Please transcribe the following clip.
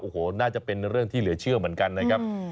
โอ้โหน่าจะเป็นเรื่องที่เหลือเชื่อเหมือนกันนะครับ